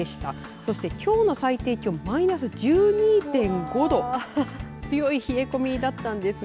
そして、きょうの最低気温マイナス１２．５度強い冷え込みだったんですね。